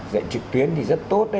dạy trực tuyến thì rất tốt